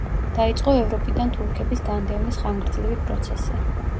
დაიწყო ევროპიდან თურქების განდევნის ხანგრძლივი პროცესი.